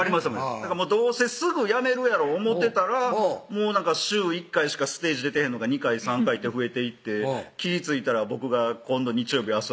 どうせすぐ辞めるやろ思てたら週１回しかステージ出てへんのが２回３回って増えていって気ついたら僕が「今度日曜日遊びに行こうや」